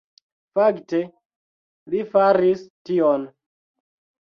Fakte, li faris tion